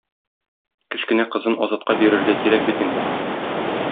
Кечкенә кызын Азатка бирергә кирәк бит инде.